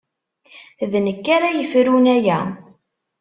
D nekk ara yefrun aya.